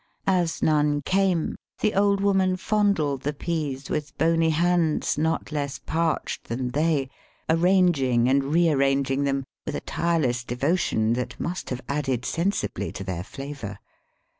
As . none came, the old woman fondled the peas with bony hands not less parched than they, arranging and re arranging them with a tireless devotion that must have added sensibly to their flavour.